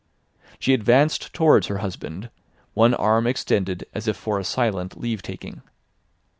She advanced towards her husband, one arm extended as if for a silent leave taking.